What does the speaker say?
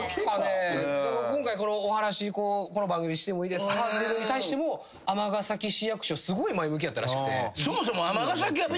今回このお話この番組でしてもいいですかっていうのに対しても尼崎市役所すごい前向きやったらしくて。